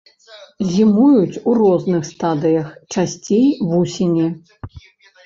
Зімуюць у розных стадыях, часцей вусені.